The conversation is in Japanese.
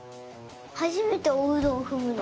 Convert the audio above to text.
はじめておうどんふむの。